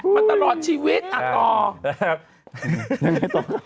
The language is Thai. มันตลอดชีวิตอะกอ